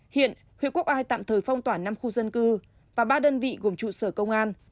hiện huyện quốc ai tạm thời phong tỏa năm khu dân cư và ba đơn vị gồm trụ sở công an